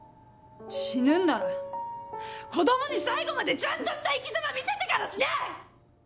死ぬんなら子供に最後までちゃんとした生きざま見せてから死ね‼